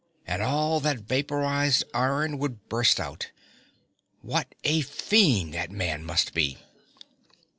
And all that vaporized iron would burst out. What a fiend that man must be!"